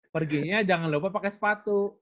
perginya jangan lupa pakai sepatu